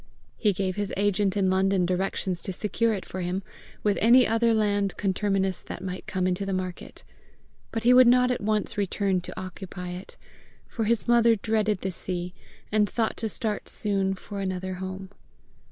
He gave his agent in London directions to secure it for him, with any other land conterminous that might come into the market. But he would not at once return to occupy it, for his mother dreaded the sea, and thought to start soon for another home.